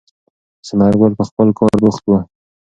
ثمر ګل په خپل کار بوخت و.